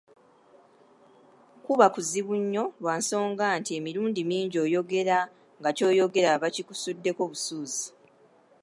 Kuba kuzibu nnyo lwa nsonga nti emirundi mingi oyogera nga ky'oyogera bakikisuddeko busuuzi.